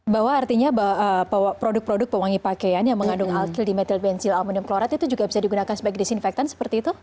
bahwa artinya produk produk pewangi pakaian yang mengandung alkyl dimethylbenzyl ammonium klorida itu juga bisa digunakan sebagai desinfektan seperti itu